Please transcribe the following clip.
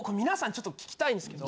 ちょっと聞きたいんですけど。